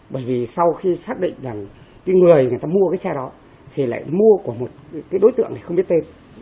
bởi vì sau khi xác định rằng cái người người ta mua cái xe đó thì lại mua của một cái đối tượng này không biết tên